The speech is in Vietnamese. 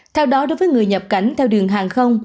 theo đó đối với người nhập cảnh theo đường hàng không